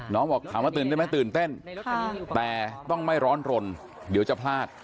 บอกถามว่าตื่นเต้นไหมตื่นเต้นแต่ต้องไม่ร้อนรนเดี๋ยวจะพลาด